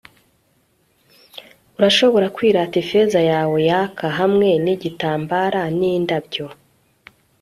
urashobora kwirata ifeza yawe yaka, hamwe nigitambara nindabyo